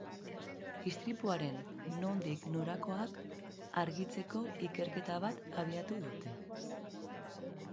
Istripuaren nondik norakoak argitzeko ikerketa bat abiatu dute.